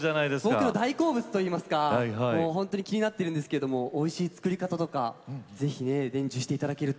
僕の大好物といいますか本当に気になってるんですけどもおいしい作り方とかぜひね伝授して頂けると。